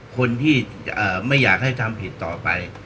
คนที่ไม่อยากให้ทำผิดต่อไป